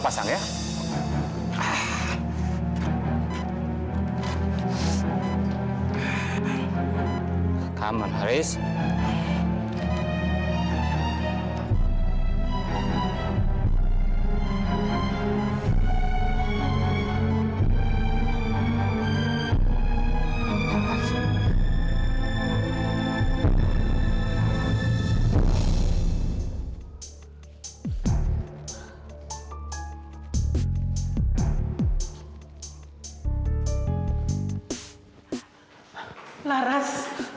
bagaimana kondisi laras